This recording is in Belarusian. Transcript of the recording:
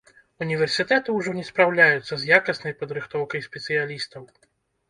Універсітэты ўжо не спраўляюцца з якаснай падрыхтоўкай спецыялістаў.